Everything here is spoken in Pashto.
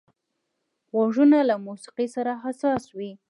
غوږونه له موسيقي سره حساس وي